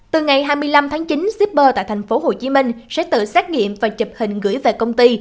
từ ngày hai mươi năm tháng chín shipper tại tp hcm sẽ tự xét nghiệm và chụp hình gửi về công ty